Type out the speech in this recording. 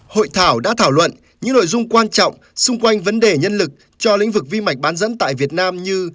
hội thảo đã thảo luận những nội dung quan trọng xung quanh vấn đề nhân lực cho lĩnh vực vi mạch bán dẫn tại việt nam như